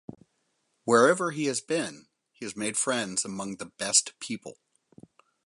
Wherever he has been he has made friends among the best people.